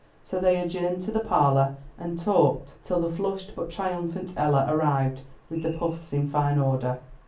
So they adjourned to the parlor, and talked till the flushed, but triumphant Ella arrived with the puffs in fine order.